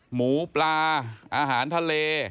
หมูปลาอาหารทะเล